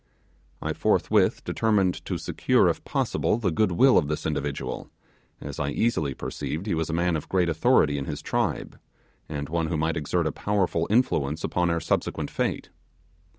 I forthwith determined to secure, if possible, the good will of this individual, as I easily perceived he was a man of great authority in his tribe, and one who might exert a powerful influence upon our subsequent fate.